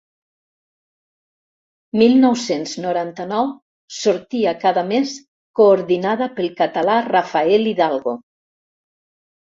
Mil nou-cents noranta-nou sortia cada mes coordinada pel català Rafael Hidalgo.